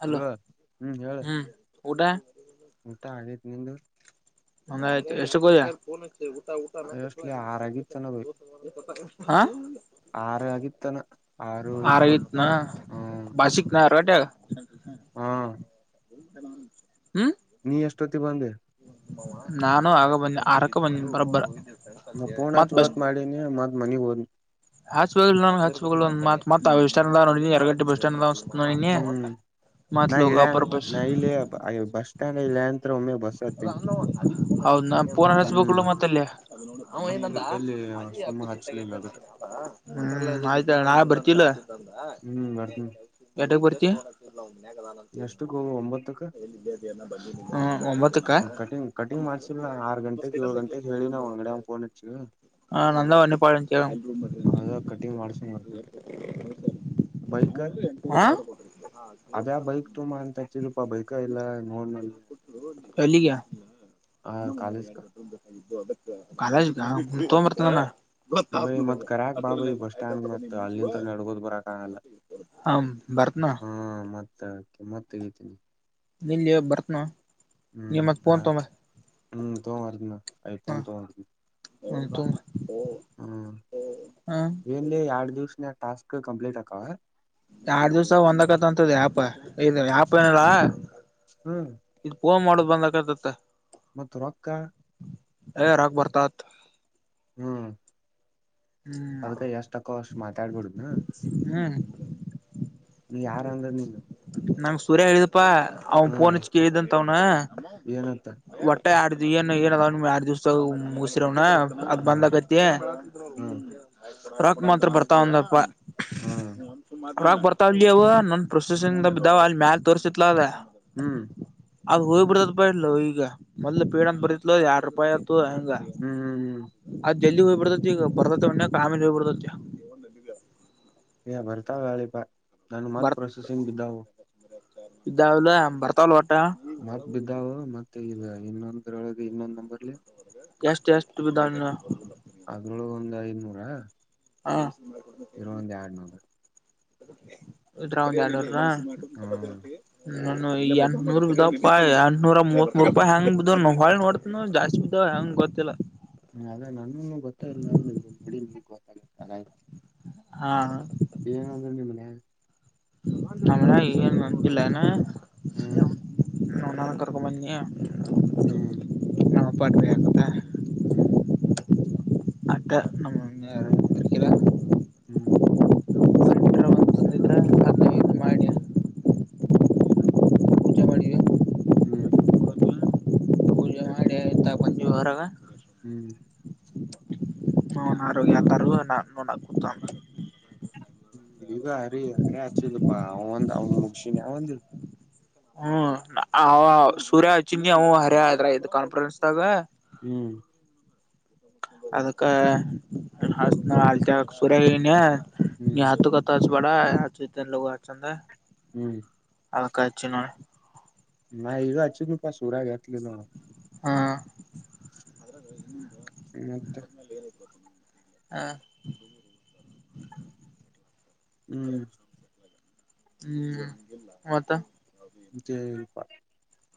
Hello ಅಲ್ವಾ ಹ್ಮ್ ಊಟಾ [unintelligible] ಊಟಾ ಆಗೈತಿ ನಿಂದು. [unintelligible] ನಂದು ಆಗೈತಿ ಎಷ್ಟಕ ಹೊದಿ [unintelligible] ಆಲ್ಮೋಸ್ಟ್ಲಿ ಆರ ಆಗಿತ್ತೆನ್ [unintelligible] ಹಾ ಆರು ಆಗಿತ್ತನ ಆರು [unintelligible] ಆರ ಇಪ್ಪತ್ನ ಆಗಿತ್ತನ್ನ ಹ ಬಾಷಿಕ ನ ಅರನಿಹೊಟ್ಟಿ. [unintelligible] ಹಾ ಹ್ಮ್ ನೀ ಎಷ್ಟೊತ್ತಿಗಿ ಬಂದಿ. ನಾನು ಆಗ ಬಂದ್ನಿ ಆರಕ್ಕ ಬಂದ್ನಿ ಬರಬ್ಬರ್ ಮತ್ ಬಸ್ ಏನ್ ಇಲ್ಲಣ್ಣ ಮತ್ ಮನೆಗ್ ಬಂದನ್. ಹಚ್ಬ ನ ಹಚ್ ಮತ್ತತ್ ಆಸ್ಂಡ ನೋ ಎರಗಡ್ಡೆ ಬಸ್ಸ್ಟ್ಯಾಂವ್ ಹ್ಮ್ ನಾ ಇಳ್ಯಾನ್ ಬಸ್ ನ ಇಲ್ಲಿ ಬಸ್ ಸ್ಟ್ಯಾಂಡ್ ಇಳ್ಯಾನ. ಹೌದನ ಫೋನರ ಹಚ್ಬೇಕಿಲ್ ಹ್ಮ್ ಮತ್ ಅಲ್ಲಿ. ಮತ್ತ ಎಲ್ಲಿ ಸುಮ್ಮ ಹಚ್ಲಿಲ್ಲ ಅದಕ್ಕೆ ಹ್ಮ್ ಆಯ್ತಏಳ ನಾಳೆ ಬರ್ತಿಲ್ಲ ಹ್ಮ್ ಬರ್ತನಿ ಏಟಕ್ ಬರ್ತಿ? ಎಷ್ಟಕ್ ಹೋಗ ಒಂಬತ್ತಕ್ ಅ ಒಂಬತಕ್ಕ. ಅವ ಕಟಿಂಗ್ ಕಟಿಂಗ್ ಮಾಡ್ಸಿಲ್ಲ ಆರ್ ಗಂಟೆಗೆಗ್ ಏಳಳ್ ಗಂಟೆಗೆ ಹೇಳಿ ಅವನ್ಗ್ ಅಂಗಡಿವಂಗ್ ಫೋನ್ ಹಚ್ಚಿ. ಹಾ ನಂದಾ ಎನಿ ಪಾಯಿಂಟ್ ಹೇಳಂಗ. ಅದ ಕಟಿಂಗ್ ಮಾಡ್ಸಂಗ ಬರ್ತನಿ ಹಾ... ಅದೇ ಬೈಕ್ ತೊಂಬಾ ಅಂತ ಹಚ್ಚಿದ್ಲಪ್ಪ ಬೈಕ ಇಲ್ಲ ನೋಡ್ ನನ್ ಎಲ್ಲಿಗೆ ಆ ಕಾಲೇಜ್ ಕಾಲಗ ಐತಾ ಹೂ ತೋಂದು ಬರ್ತೀನಿ ಏಳ ನಾ. ಬೈ ಮತ್ ಕರಿಯಾಕ್ ಬಾ ಬೈ ಬಸ್ ಸ್ಟ್ಯಾಂಡ್ ಮತ್ ಅಲ್ಲಿಂದ್ರ ನಡಕೋತ ಬರಾಕ ಆಗಂಗಿಲ್ಲ. ಹ ಬರ್ತನಿ ಏಳ ಹಾ ಮತ್ತಕೆ ಮತ್ತಗಿತೀನಿ ನಿಲ್ಲೇ ಬರ್ತನಾ ಹ್ಮ್ ಹಾ ಹ್ಮ್ ತೊಗೊಂಡು ಬರ್ತೀನಿ ಐ ಪೋನ ತಗೊಂಡು ಬರ್ತೀನಿ. ಹೂ ತೋಂಬಾ ಹ್ ಏನ್ಲೇ ಎರಡು ಈ ಎರಡು ದಿವಸ್ನ್ಯಾಗ ಟಾಸ್ಕ್ ಕಂಪ್ಲೀಟ್ ಅಕ್ಕವ್ವ. ಎರಡ್ ದಿವ್ಸ ಒಂದಕತ ಅಂತದ ಯಪ ಇ ಯ್ಯಾಪ ಏನಲ್ಲಾ ಹ್ಮ್ ಇದು ಪೋನ್ ಮಾಡೋ ಬಂದಕತತ್ತ ಮತ್ತು ರೊಕ್ಕ ಯ ರಾಗ ಬರ್ತಾತ್ ಹ್ಮ್ ಹ್ಮ್ ಅದ್ಕ ಎಷ್ಟ ತಕ್ಕೋ ಅಷ್ಟ್ ಮಾತಾಡ್ಬಿಡುದ್ನ ಹ್ಮ್ ನೀ ಯಾರ ಅಂದ್ರ ನೀನ್ ನಂ ಸುರ್ಯ ಎ್ದಪ್ಪಾ ಅವನ್ ಹ್ಮ್ ಪೋನ್ಚ್ ಕ್ದಂತ ಅವನು ಏನಂತ ಒಟ್ಟೆ ಆರ್ ಏನು ಏನ ಅದಾವ ಆರಡ್ ದಿವಸ ಮುಸರವ್ನ ಅದ್ ಬಂದ್ ಆಗತಿ ಹಾ ಬರಾಕ್ ಮಾತ್ರ ಬರ್ತಾಾವಂದಪ್ಪ ಹಾ ಾಕ್ ಬರ್ತಾವಲಿ ಅ ಅವ್ ನನ್ ಪ್ರೊಸೆಸಂಗ ಬ ಇದಾವ ಅಲ್ಲಿ ಮ್ಯಾಲ ತೋರ್ಸತಿತ್ಲದ ಹ್ಮ್ ಅದ ಹೋಯ್ ಬಿಿಡತದ ಬಲ ಈಗೊ್ ಪೀಡ್ ಬರೀತ್ಲ್ ಯರ ರೂಪಾಯಿ ಆಯತು ಹಂಗ ಹ್ಮ್ ಹ್ಮ್ ಹ್ಮ್ ಅದ್ ಜದಿ ಹೋಗ್ಬ ಬಿಡ್ತತಿಗ ಬರ್ತವ ಒಣ್ಣ ಆಾಮೇಲೆ ಹೋಗ್ಬ ಬಿತತಿ ಹಗ [inaudible] ಏ ಬರ್ತಾವ ಅಳಿಪಾ ನಾನು ಮತ್ ಪ್ರೋಸೆಸಿಂಗ್ ಇದಿದ್ದವು ಇದಾವ ಬರ್ತಾವಲ್ ಒಟ್ಟ ಮತ್ತ್ ಬಿದ್ದಾವ ಮತ್ತೆ ಈಗ ಇನ್ನೊಂದರೊಳಗೆ ಇನ್ನೊಂದ್ ನಂಬರ್ಲಿ ಎಷ್ಟು ಎಷ್ಟು ಬಿಧಾಣ ಅದ್ರಳು ಒಂದ್ ಐದ ಮೂೂರ ಹಾ ಇರ ಒಂದ ಎರಡ್ ನೋಡ ಇದರಾಗ ಒಂದೆರಡು ಹ್ಮ್ ನೂರ ನಾನು ಈ ಎಂಟ್ನೂರಾಯಿ ಎಂಟುನೂರ ಮೂತ್ ಮೂರು ರೂಪಾಯಿ ಹೆಂಗ್ ಹೊಳಿ ನೋಡ್ ಇ ಜಾಸ್ತಿ ಬಿತ್ ಹೆಂಗ ಗೊತ್ತಿಲ್ಲ ಹ ಅದ ನಾನೂ ಗೊತ್ತ ಇಲ್ಲ ಅಂದ ನೋಡಿ ನಿಮಗ್ ಗೊತ್ತಾಗತ್ತಲಯ ಹಾ ಏನಂದ್ರ ನಿಮ್ಮನೆ ನಮ್ಮಾ ಏನ್ ಅಂದಿಲ್ಲನ ಹ್ಮ್ ನನ ಕರಕ ನೀ [unintelligible] ಹ್ಮ್ ನಮ್ಮ ಪಾಠ್ರ ಕಥಾ [unintelligible] ಹ್ಮ್ ಮತ್ತೆ ನಮ್ಮ ಹ್ಮ್ [inaudible] ಹ್ಮ್ ತಂದಿದ್ರ ಅದನ್ನ ಇದ್ ಮಾಡಿ ಪೂಜೆ ಮಾಡಿವಿ ಹ್ಮ್ ಂ [unintelligible] ಹೊರಾಗ ಹ್ಮ್ ನೋಗ ಕಾರ ನೋತ [unintelligible] ಹ್ಮ್ ಈಗ ಅರಿ ಅರಿ ಆಚಿಲ್ಲಪ್ಪಾ ಅವ ಒಂದ್ ಅವ್ನ್ ಮುಗಶಿನಿ ಅವಂದಿಲ್ಲ ಹ್ಮ್ ಅವ ಸೂರ್ಯ ಅಚ್ಚಿನ ಅವು ಹರ ಆದ್ರ ಇದ್ ಕಾನ್ಫಿಡೆನ್ಸ್ ಹ್ಮ್ ಅದಕ್ಕ ಹ ಅಲ್ಚ ಸುರನ್ ನೀ ಹ್ಮ್ ಹತ ಹ ಬಡಾ ಯ ಚ ಲಗು ಹಚ್ಚ ಅಂದ [unintelligible] ಹ್ಮ್ ಅದಕ್ಕ ಹಚ್ಚಿನ್ ನೋಡ್ ನಗ ಅಚ್ಚನು ಪಾಸುರಾ ತ್ಲಿ ನ [inaudible] ಹಾ ಮತ್ತ [inaudible] ಹಾ ಹ್ಮ್ ಹ್ಮ್ ಮತ್ತ ಜಯಪಾ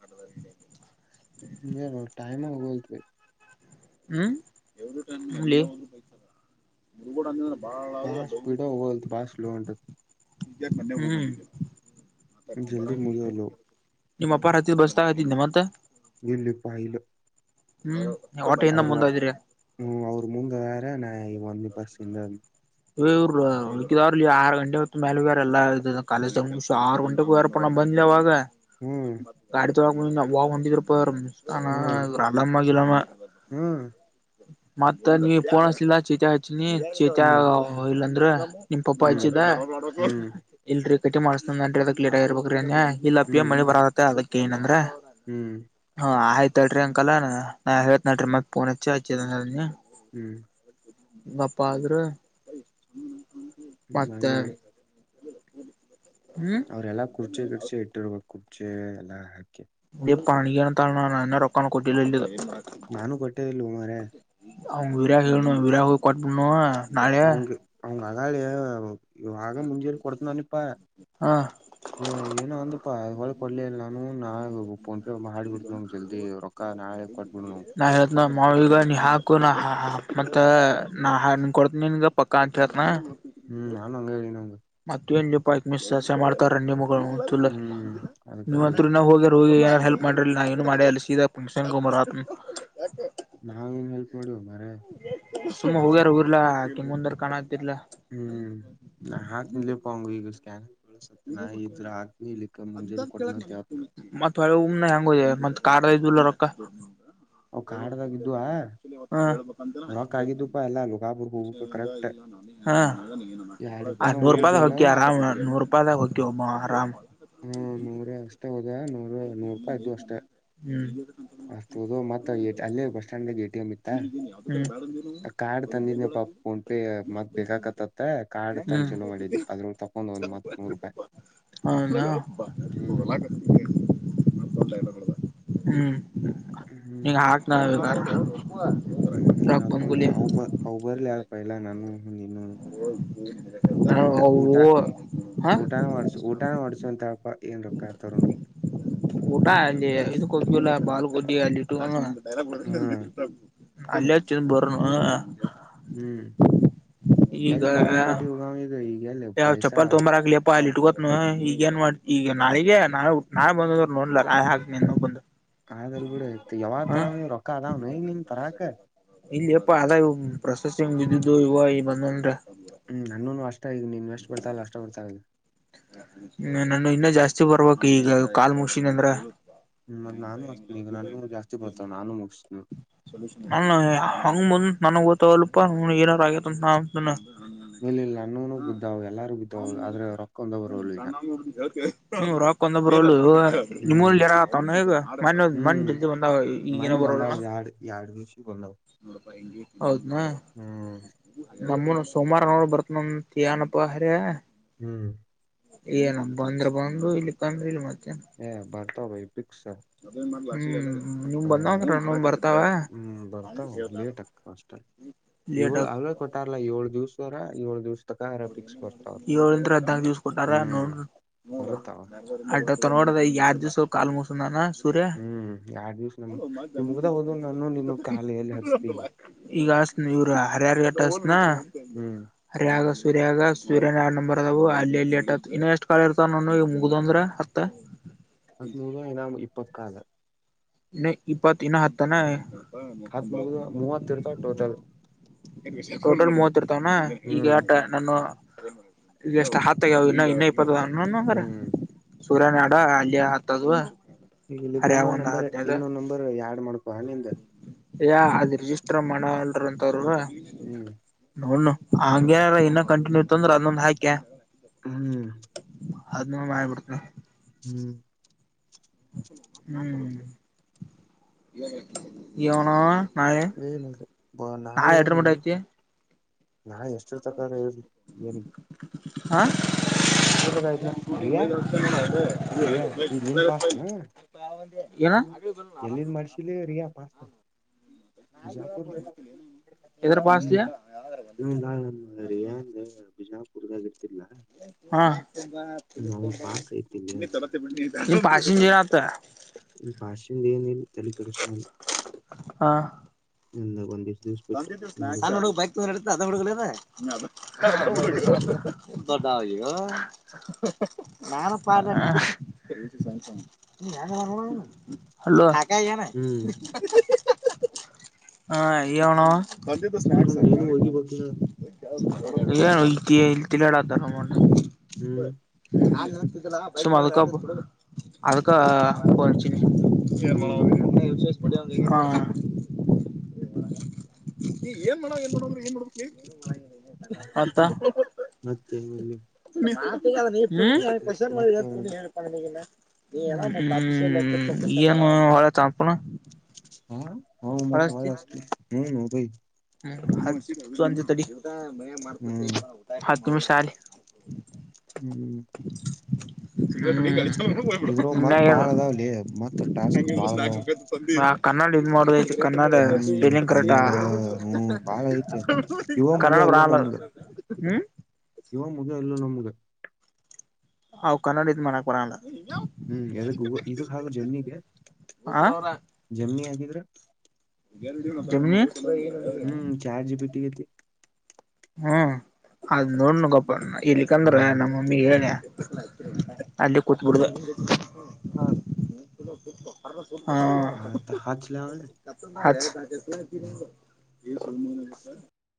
[inaudible] ಹ ಟೈಮ್ ಹಗೋಲ್ತ್ ಹ್ಮ್ ಬಾಸ್ ಪಿಡೋ ಲ್ ಬಾ ಲೋಂಟ ಇದ ಹ್ಮ ಜಲ್ದಿ ಮುಜಲೋ ನಿಮ್ಮ ಅಪ್ಪ ರಾತ್ರಿ ಬಸ್ಸನಾಗ ಹತ್ತೀನ ಮತ್ತೆ ಎಲ್ಲಿ ಪಾಯ ಇಲು ಹ್ಮ್ ವಟ್ಟ ಇನ್ನ ಮುಂದ ಅದಿರಿ ಹ್ಮ್ ಅವ್ರು ಮುಂದವರ ನಾ ಇ ಒಂದ ಬಸ್ಸ ಹಿಂದ ಅದೇನಿ ಇವರುಿದಾವ್ರಲ್ಲಿ ಆರು ಗಂಟೆ ಹೊ ಮೇಲೆ ಬಾರ ಎಲ್ಲ ಇ ಕಾಲೇಜ್ದಷ ಆರು ಗಂಟೆಗಾರ ಅ ನಾ ಬಂದ್ಿಲ್ಲ ಅವಾಗ ಹ್ಮ್ ಗಾಡಿ ತೊಳಕ ವ್ ಹೊಂದಿದರು ಪ ಹಾ ಅಲ್ಲಮ್ಮಗಲಾಮ ಹಾ ಮತ್ತ ನೀವ ಪೋನಸ್ಲಿಲ್ಲ ಚೀತ ಹಚ್ಚಿನಿ ಚೀತ ಹ್ಮ್ ಇಲ್ಲಂದ್ರ ನಿಮ್ ಪಾಪ ಹ್ಮ್ ಅಜಿದ ಹ್ಮ್ ಇಲ್ರರಿ ಕಟ್ಟಿ ಮಾಡ್ಸ್ನನ್ರಿ ಅದಕ್ ಲೇಟ್ ಆಗಿರ್ಬೇಕಕ್್ರೀ ಅನ್ಯ ಇಲ್ಲ ಪಿಯ ಹ್ಮ್ ಮಣಿ ಬರಾರದತ್ತ ಅದಕ್ಕ ಏನಂದ್ರೆ ಹ್ಮ್ ಹ ಆಯ್ತಳ್ರರಿ ಅಂಕಲ್ಲಾ ಹೇಳ್ತ್ ನಡ್ರರಿ ಮತ್ ಪೋನ್ಚ್ಚಿ ಹಚ್ಚಿ ಹ್ಞ ಪ್ಪ ಆದ್ರೆ ಮತ್ತೆ ಮನ್ವಿ ಹ್ಮ್ ಅವ್ರೆಲ್ಲಾ ಕುರ್ಚಿ ಕಡ್ಸಿ ಇಟ್ಟಿರ್ಬೇಕ ಕುರ್ಚಿ ಎಲ್ಲಾ ಹಾಕಿ ಇ ಪಣಿಗೆನ ತ ಅ ರೊಕ್ಕಣ ಕೊಟ್ಟಿಲಲ್ಲಿ ನಾನು ಕೊಟ್ಟೇ ಇಲ್ ಉ ಮಾರ ಅವ್ ವರಾಗ್ ಹೇಳ ವರಾಗ್ ಕಟ್ ಬಣ್ಣ ಅವಂಗ ಅವಂಗ ಅಗಾಾಲ ಆಗ ಮುಂಜಿಯರಿ ಕೊಡತನನಪಾ ಹಾಂ ಏನ ಅಂದ ಪ ಹೊಳ ಕೊಡ್ಲಿಲ್ಲ ನಾನು ನಾ ಫೋನ್ ಪೇಮ್ಮ ಹಾಿಬಿಡ್ತ ನವು ಜಲ್ದಿ ರೊಕ್ಕ ನಾಳೆ ಕೊಟ್ಬಿಡವು ನಾ ಹೇಳ್ತನ ಮಾವ ಈಗ ನೀ ಹಾಕು ನಾ ಮತ್ತ ನಾ ಕೊಡ್ತಿನ್ಗ ಪಕ್ಕ ಹಕತ್ನ ಹ್ಮ್ ನಾನು ಅಂಗ ಹೇಳನವಂಗ ಮತ್ತ ಏನ್ ಜಪಕ್ ಮಿಸ್ಸ ಮಾಡ್ತಾರ ನಿಮ ಹ್ಮ್ ಅದಕ್ಕ ಬೈ ನೀವಂ ನ ಹೋಗ್ಯ ಅವ ಏನ ಹೆಲ್ ಮಾಡ್ರಿ ನಾ ಏನು ಮಾಡ ಅಲಸಮರ್ ನಾವೇನ್ ಹೆಲ್ಪ್ ಮಾಡಿವ ಮ್ರ ಸುಮ್ಮ ಹೋಗ್ಯಾರ ಉರ್ಲಾ ಆಕೆ ಮುಂದರ್ ಕಾಣ ಆಗ್ತಿರ್ಲಾ ಹ್ಮ್ ಹಾಕಲೆ ಪಾೌಂಗೀ ಈಗುಷಕಣ ಬಳಸತ್ ನಾ ಇದ್ರೆ ಆಗ್ ಇಕ್ಕೆ ಮುಂಜೇಲಿ ಕೊಡ್ನೋವ ಮತ್ತ ಳ ಊ್ ನ ಹಂಗೋುದು ಮ ಕಾರ್ಡದುುಲ್ಲ ರಕ್ಕ ಕಾಡ್ದಾಗ ಇದಿದ್ದ್ುವ ಹೇಳ್ಬೇಕ ಅಂತ ಹ ನಗೆ ಲೋಕಾಪುರ್ ಹೋಗಕ ಕರೆಕ್ಟ್ ಎರಡ್ ರೂಪಾನ ನೂರು ರೂಪಾಯ ಉಳಿದ್ವನ ಹೋಗಕಿ ಆರಾಮ್ ನೂ ಅಪ್ಪದ ಹೋಗಕೋಮ್ಮ ಆರಾಮ್ ಹಾ ನೂರ ಅಷ್ಟೇ ಹೋದ ನೂರ ನೂರು ರೂಪಾಯಿ ಇದ್ದ ಅಷ್ಟೇ ಹ್ಮ್ ಅಷ್ಟದು ಮತ್ತ ಅಲ್ಲೇ ಬಸ್ ಸ್ಟ್ಯಾಂಡ್ಗೆ ಎ ಟಿ ಎಂ ಇತ್ತಾ ಕಾ ಕಾರ್ಡ್ ತಂದಿದ್ನಿಪ್ಪಾ ಫೋನ್ ಪೇ ಮತ್ ಬೇಕಕತ್ತತ್ತ ಕಾರ್ಡ್ ತಂದ ಹ್ಮ್ ಚಲೋ ಮಾಡಿದನಿ ಅದ್ರ ಒ ತಕೊಂಡ್ ಒಂದ್ ಮತ್ ನೂರು ರೂಪಾಯಿ ಹ್ಮ್ ಹಾ ಹ್ಮ್ ಹ್ಮ್ ಹಂಗ ಹಾಕ್ನ ಹ್ಮ್ ರಕ್ ಬಂಗುಲಿ ಹಾಕಂಟು ಅ ಅ ಬರ್ಲಿ ಯಾರ ಪ ಇಲ್ಲಾ ನಾನು ನೀನು ಊಟ ಅವು ಊಟ ಹ ಊಟಾನ ಮಾಡಸು ಊಟಾನ ಮಾಡಸು ಅಂತಪ್ಪ ಏನ್ ರೊಕ್ಕ ಆ ತರಣ ಊಟ ಅಲ್ಲಿ ಇದು ಕೊಬ್ಬಿಲ್ಲ ಬಾಲುಗೊಡ್ಡಿ ಅಲ್ಲಿಟ್ಟು ಹ್ಮ ಅಲ್ಲ ಬರ ಹ್ಮ್ ಈಗ ಎಲ್ಲಿ ಬಾಳ್ಕೋಟಿ ಹಗ ಇದು ಈಗಗೆಲ್ಲ ಚಪ್ಪಲ್ ತ ಮಮ್ಮ ಆಗ್ಲಿ ಅಪ್ಪ ಅಲ್ಲಿ ಇಟ್ಕೋತ್ನು ಈಗ ಏನ್ ಮಾಡ್ತಿ ಈಗ ನಾಳ ನಾೇ ನಾಳ ಬಂದ್ರು ನೋಡ್ಲ ನಾೆ ಹಾ ಬಂದ ಕದಾರ ಬಿಡ ಯಾವಾಗ ತರ ನೀ ರೊಕ್ಕ ಅದಾವ್ ನನ್ ತರಾಕ ಇಲ್ಲಿ ಯಪ್ಪಾ ಅದ ಪ್ರೊಸೆಸಿಂಗ್ ಇದಿದುದುು ಇವ ಈ ಬಂದ ಅಂದ್ರೆ ಹ್ಮ್ ನನ್ನೂ ಅಷ್ಟ ಈಗ ನೀನ್ವೆ ಎಸ್ಟ್ ಬರ್ತಲ್ಲ ಅಷ್ಟ ಬರ್ತಾ ಹ್ಮ ನಾನು ಇನ್ನ ಜಾಸ್ತಿ ಬರ್ಬೇಕಕ್ ಈಗ ಕಾಲ್ ಮುಶನ್ ಅಂದ್ರ ಹ್ಮ್ ಮತ್ತ ನಾನು ಅಸ್ತನಿ ಈಗ ನಾನು ಜಾಸ್ತಿ ಬರ್ತ ನಾನು ಮುಗಿಸತನಿ ನಾನ ಹಂಗ ಬಂದ ನನಗ್ ಗೊತ್ತ ಅಲ್ಪ ಏನಾರ ಆಗೇತ ನ ಅನ್ನ ಮೇಲೆಲ್ಲ ಅನ್ನನು ಬುದ್ದ ಎಲ್ಲಾರೂ ಬುದಿದ್ದ ಆದ್ರೆ ರೊಕ್ಕೊಂದ ಬರು ಇಗ ಜತೆ ಹ್ಮ ರಾಕ್ ಕೊಂದಬ್ರಳು ನಿಮ ಹ್ಮ್ ಜರತ ಈಗ ಮ ಮ ಹ್ಮ್ ಜಜ ಬಂದ ಈಗಏನ ಬರೋ ಯಾರ್ಡ್ ದಷಿ ಬೋಲಾವ ಹೌದನಾ ಹ್ಮ ನಮ್ಮ ಸೋಮಾರ ನೋರು ಬರ್ತ್ನಂತಿಯನಪ್ಪಾ ಅರ ಹ್ಮ್ ಏನ ಬಂದ್ರ ಬಂದ ಇಲ್ಲಿ ಬಂದ್ರೆ ಇಲ್ಲಿ ಮತ್ತೇ ಬರ್ತಾವ ಭೈ ಪಿಕ್ಸ ಹ್ಮ್ ನೀವ್ ಬಂದಾವಂದ ಬರ್ತಾವ ಹ್ಮ್ ಬರ್ತಾವ ಲೇಟ್ ಆಗ್ತ ಅಷ್ಟ ಲೇಟ್ ಏಳ ಆಗ ಅವೇ ಕೊಟ್ಟಾರಲ್ಲ ಏಳು ದಿವ್ಸವರ ಏಳು ದಿವ್ಸ, ಅರಬಿಕ್ಸ್ ಬರ್ತ ಏಳಂದ್ರ ಹದ್ನಾಲ್ಕು ದಿವ್ಸ ಹ್ಮ್ ಬರುತವಾ ಅತ ನೋಡದ ಈ ಯಾರ್ ದಿವಸವ ಕಾಲ್ ಮೋಸದಾನ ಹ್ಮ್ ಆರಡ್ ದಿವ್ಸ ನಮ್ ನಿ್ ಮುಗ್ದ ಹೋದ ನಾನು ನಿಮ ಕಖಾಲಲ್ಲಿ ಹಚ್ತೀ ಈಗ ಅಸನ ಇವ್ರ ಹರಹರ್ಗಟ್ಟಸ್ನಾ ಹ್ಮ್ ಹರ್ಯಗ ಸೂರ್ಯಗ ಸೂರ್ಯನ್ ಎರಡ್ ನಂಬರ್ ಅದವು ಅಲ್ಲಿ ಲೇಟ್ ಆತ್ ಇನ್ನು ಎಷ್ಟ್ ಕಾಲ ಇರ್ವ ನ ಈಗ ಮುಗ್ದಂದ್ರ ಹತ್ತ ಹದ ನೂರು ಏನ ಇಪ್ಪತ್ ಕಾಲ್ ನ ಇಪ್ಪತ್ ಇನ್ನ ಹ ನ ಹತ್ ಮುಗ ಮೂವತ್ತ ಇಡ್ತಾವ ಟೋಟಲ್, ಟೋಟಲ್ ಮೂವತ್ ಇರ್ತವನಾ ಈಗ ಹ್ಮ್ ನಾನು ಇಷ್ಟ ಹತ್ತಾಗ ಯಾವದು ಇನ್ನು ಇನ್ನ ಇಪ್ಪತ ನ ಹಂಗಾರ ಹ್ಮ್ ಸೂರ್ಯ ನ ಅಡ ಅಲ್ಲಿ ಹತ್ತದ ಈ ಇಲ್ಲಿ ಇನ್ನೊ್ ನಂಬರ್ ಇನ್ನೊಂದ ನಂಬರ್ ಎಾರ್ಡ್ ಮಾಡ್ಕೋ ಹನಂದ ಯ ಅದ್ ರಿಜಿಸ್ಟರ್ ಮಾಡಲ್ರ ಅಂತ ಅವ್ರರು ಹ್ಮ್ ನೋಡ್ ಹಂಗ್ಯಾರ ಇನ್ನ ಕಂಟಿನ್ಯೂ ಇತ್ತ ಅಂದ್ರ ಅದೊಂದ್ ಹಾಕ್ಯ ಹ್ಮ್ ಅದ ನ ಮಾಡಯ್ಬಿಡ್ತಿ ಹ್ಮ್ ಹ್ಮ್ ಯವನ ಏನ ಬ ನಾಳ ನು ಮಟ ಐತಿ ನಾ ಎಷ್ಟು ಇರ್ತಕ್ಕ ಹೇಳಿ ಏನ್ ಹಾ ಎಷ್ಟರದಾಗ ಆಯ್ತ್ನಾ ರಿಯಾ ರಿಯಾ ಈಗ ನಿನ್ ಪಾಸ್ ಅ ಏ ಆರಾಮಲ್ಲರ ಎಲ್ಲಿದ್ ಮಾಡ್ಸಿಲಿ ರಿಯಾ ಪಾಸ್ ಬಿಜಾಪುರ್ ಇಧರ ಪಾಸತಿ ಆ ಇೊಂದಾಳ ನಮ್ ರಿಯಾಂದ ಬಿಜಾಪುರ್ದಾಗ ಇರ್ತಿರ್ಲ ಹಾ ನನ್ ಪಾಸ್ ಐತೀನಿ ನಿ ಪಾಚಿಜರತ ಪಾಶಚಿನ ತಲ ಕೃಶ ನಿ ಬಂದ [inaudible] ತ ಎಡ ದದ ಮುಡಕಲದ ತಡ ನಾರ ಪ ನೀ ಯಗ ಬರ ಹಲೋ ಎನ್ ಹ್ಮ್ ಮಾಡಾವಾ? [inaudible] ಸರ್ ಹೋಗಿ ಬಿಲ್ಲ ಇ ಇಲ್ತಿಲ್ಲಡ್ದಾಮ ಹ್ಮ್ ಅಕ್ಕ ಅದಕ್ಕಾ ಶೇರ್ ಮಾಡ ಹ್ಮ್ ನೀ ಏನ್ ಮಾಡ ಏನ್ ಮಾಡದ ಏನ್ ಮಾಡ ನೀ ಅಂತ ಮತ್ತೇನಿಲ್ಲ ಹ ಮತ್ತೆ ಮತ್ತೇನಿಲ್ಲ ಏನು ಹೊಲಕ್ ಹಾಕುಮ್ ಹಾ ಹೌ ಮತ್ತ ಹೊ [unintelligible] [unintelligible] ಹ್ಮ ಅಂತೆ ತಡಿ ಹ್ಮ್ ಹಾತ್ತುಮಿ ಶಾಲೆ. ಹ್ಮ್ ಹ್ಮ್ ಇದ್ರೊಳಗ ಮತ್ ಬಾಳ ಅದಾವ್ಲಿ ಮತ್ ಟಾಸ್ಕ್ ಬಾಳ ಅದಾವ [unintelligible] [inaudible] ಹಾ ಕನ್ನಡ ಇದ್ ಮಾಡದಐತಿ ಕನ್ನಡ ಹ್ಮ್ ಸ್ಪೆಲ್ಲಿಂಗ್ ಕರೆಕ್ಟಾ. ಕನ್ನಡ ಹ್ಮ್ ಬಾಳ ಐತೆ ಇವ ಕನ್ನಡ ಮುಗಿಯವಲ್ಲೂ ಬರಲ್ಲ ನಮ್ಗ ಇವ ಮುಗ ಇಲ್ಲ ನಮ್ಗ. ಹಾವು ಕನ್ನಡಿ ಇದು ಮಾಡಕ್ ಬರಲ್ಲ. ಹ್ಮ್ ಎದಕ್ಕ ಇದಕ್ ಹಾಗು ಜಮನಿಗೆ ಆ ಜಮನಿ ಆಗಿದ್ರ. ಜಮಿನಿ ಹ್ಮ್ ಚಾರ್ಟ್ ಜಿ ಟಿ ಟಿ ಹ್ಮ್ ಅದ್ ನೋಡ್ಣ ಗಪ್ಪಣ್ಣ ಇಲ್ಲಿಕಂದ್ರ ಹ್ಮ್ ನಮ್ಮ. ನಮಗ್ ಹೇಳ ಅಲ್ಲಿ ಕುೂತ್ಬಿಡ್ದ. ಹ ಆತ ಹಚ್ಲ ಹ್ಮ್ ಹಚ್